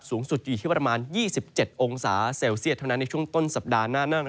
สูงสุดจะอยู่ที่ประมาณ๒๗องศาเซลเซียตเท่านั้นในช่วงต้นสัปดาห์หน้า